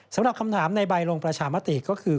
สำหรับคำถามในใบลงประชามติก็คือ